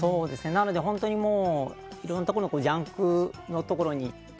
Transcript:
なので、本当にいろんなジャンクのところに行って。